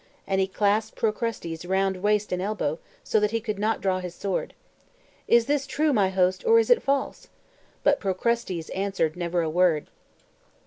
and he clasped Procrustes round waist and elbow, so that he could not draw his sword. "Is this true, my host, or is it false!" But Procrustes answered never a word.